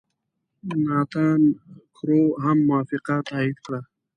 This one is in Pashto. ناتان کرو هم موافقه تایید کړه.